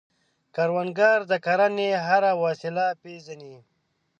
کروندګر د کرنې هره وسیله پېژني